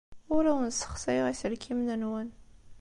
Ur awen-ssexsayeɣ iselkimen-nwen.